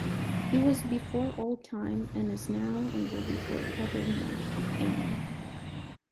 It was before all time, and is now, and will be for evermore. Amen.